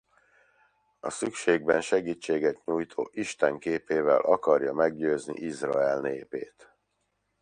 A szükségben segítséget nyújtó Isten képével akarja meggyőzni Izrael népét.